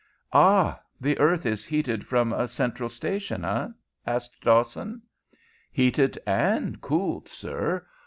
"Ah! The earth is heated from a central station, eh?" asked Dawson. "Heated and cooled, sir.